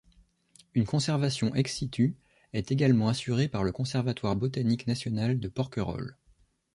Une conservation ex-situ est également assurée par le Conservatoire botanique national de Porquerolles.